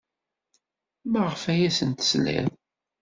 Maɣef ay asent-tesliḍ?